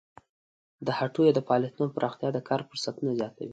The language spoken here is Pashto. د هټیو د فعالیتونو پراختیا د کار فرصتونه زیاتوي.